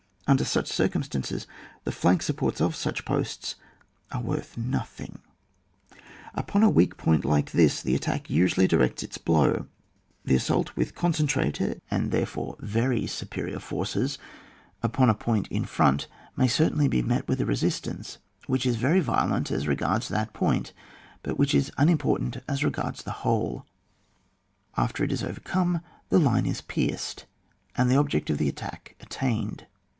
Under such cir cumstances the flank supports of such posts are worth nothing. Upon a weak point like this the attack usually directs its blows. The assault with concentrated, and therefore very CHAP, XT.] DEFENCE OF MOUNTAINS. 123 superior forces, upon a point in front, may certainly he met hy a resiatanee, which u very violent a» regards that pointy hut which is unimportant as regards the whole^ After it is OYercome, the line is pierced, and the object of the attack attained.